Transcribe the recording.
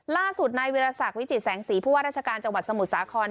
ล่าสุดนายวิรสักวิจิตแสงสีผู้ว่าราชการจังหวัดสมุทรสาคร